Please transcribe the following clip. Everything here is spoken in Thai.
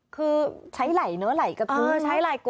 คือใช้ไหล่เนอะไหล่กระทุกเนาะนะคะฮือใช้ไหล่